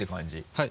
はい。